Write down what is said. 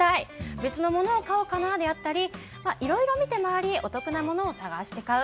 別のものを買おうかなであったりいろいろ見て回りお得なものを探して買う。